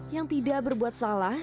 yang tidak berbuat salah